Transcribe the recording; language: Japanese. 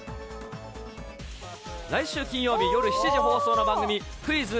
来週金曜日夜７時放送の番組、クイズ！